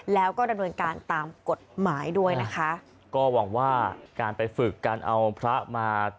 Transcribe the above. แล้วก็ดำเนินการตามกฎหมายด้วยนะคะก็หวังว่าการไปฝึกการเอาพระมา